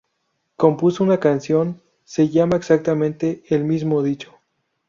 Compuso una canción se llama exactamente el mismo dicho.